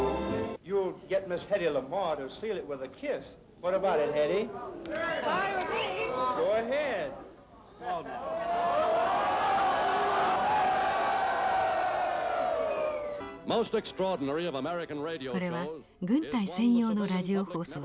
これは軍隊専用のラジオ放送です。